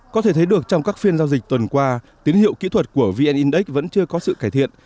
có thể thấy được trong các phiên giao dịch tuần qua tín hiệu kỹ thuật của vn index vẫn chưa có sự cải thiện